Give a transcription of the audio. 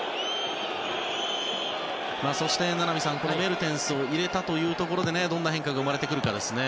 そして、名波さんメルテンスを入れたところでどんな変化が生まれてくるかですね。